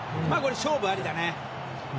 勝負ありだね。